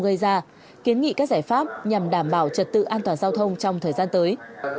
gây ra kiến nghị các giải pháp nhằm đảm bảo trật tự an toàn giao thông trong thời gian tới